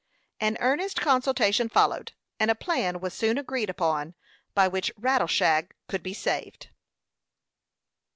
An earnest consultation followed, and a plan was soon agreed upon by which Rattleshag could be saved.